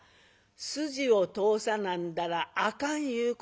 筋を通さなんだらあかんいうことや。